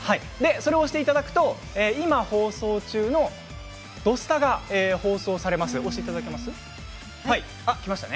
それを押していただくと今放送中の「土スタ」が放送されますね。